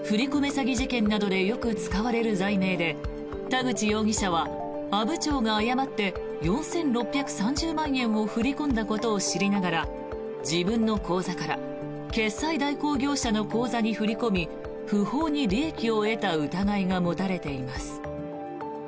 詐欺事件などでよく使われる罪名で田口容疑者は阿武町が誤って４６３０万円を振り込んだことを知りながら自分の口座から決済代行業者の口座に振り込み不法に利益を得た疑いが持たれています。